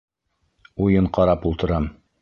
Уйын ҡарап ултырам.